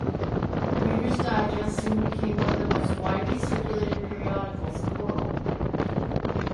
"Reader's Digest" soon became one of the most widely circulated periodicals in the world.